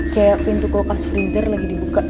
kayak pintu kulkas freezer lagi dibuka